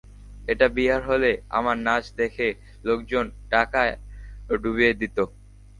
এটা বিহার হলে, আমার নাচ দেখে লোকজন টাকায় ডুবিয়ে দিত।